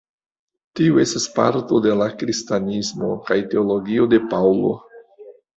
Tiu estas parto de la kristanismo kaj teologio de Paŭlo.